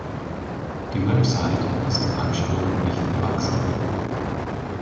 Die Website ist dem Ansturm nicht gewachsen.